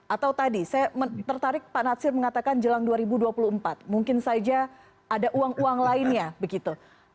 atau tadi saya tertarik pak natsir mengatakan jelang dua ribu dua puluh empat mungkin saja ada uang uang lainnya begitu